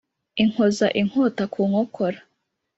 inkoza inkota ku nkokora